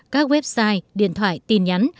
các website điện thoại tin nhắn